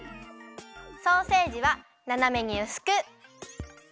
ソーセージはななめにうすく。